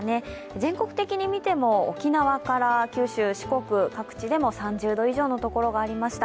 全国的に見ても沖縄から九州、四国、各地でも３０度以上の所がありました。